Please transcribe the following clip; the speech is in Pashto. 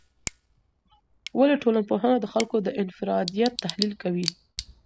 ولي ټولنپوهنه د خلګو د انفرادیت تحلیل کوي؟